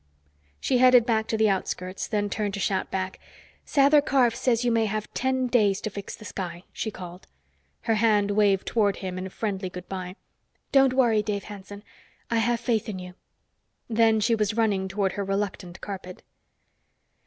She headed back to the outskirts, then turned to shout back. "Sather Karf says you may have ten days to fix the sky," she called. Her hand waved toward him in friendly good bye. "Don't worry, Dave Hanson. I have faith in you." Then she was running toward her reluctant carpet.